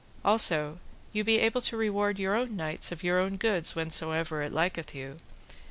Also you be able to reward your own knights of your own goods whensomever it liketh you.